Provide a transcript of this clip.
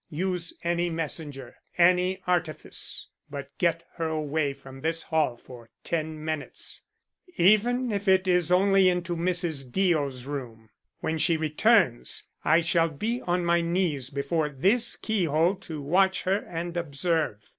Use any messenger, any artifice, but get her away from this hall for ten minutes, even if it is only into Mrs. Deo's room. When she returns I shall be on my knees before this keyhole to watch her and observe.